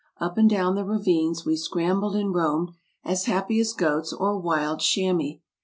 Up and down the ravines we scrambled and roamed, as happy as goats or wild chamois.